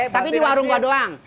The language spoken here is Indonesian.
tapi di warung gua doang